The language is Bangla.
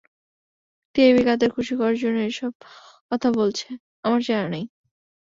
টিআইবি কাদের খুশি করার জন্য এসব কথা বলছে, আমার জানা নেই।